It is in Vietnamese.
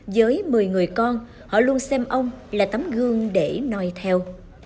với một mươi người con họ luôn xem ông là tấm gương để noi theo